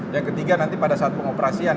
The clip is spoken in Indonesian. yang ketiga nanti pada saat pengoperasian